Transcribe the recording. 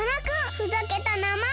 ふざけたなまえ！